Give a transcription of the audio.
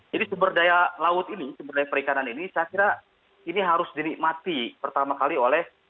jadi sumber daya laut ini sumber daya perikanan ini saya kira ini harus dinikmati pertama kali oleh